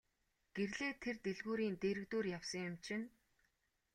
Гэрлээ тэр дэлгүүрийн дэргэдүүр явсан юм чинь.